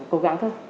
cố gắng thôi